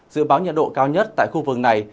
dự báo nhiệt độ cao nhất tại khu vực này